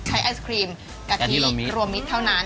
ไอศครีมกะทิรวมมิตรเท่านั้น